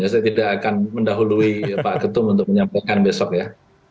saya tidak akan mendahului pak ketum untuk menyampaikan besok ya